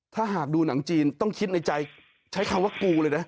ถ้าหากดูหนังจีนต้องคิดในใจใช้คำว่ากูเลยนะ